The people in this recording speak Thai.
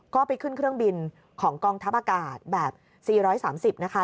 ก็ไปขึ้นเครื่องบินของกองทัพอากาศแบบ๔๓๐นะคะ